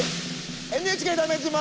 「ＮＨＫだめ自慢」